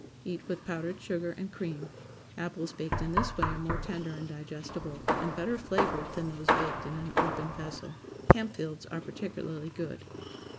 Eat with powdered sugar and cream. Apples baked in this way are more tender and digestible, and better flavored, than those baked in an open vessel. Campfields are particularly good.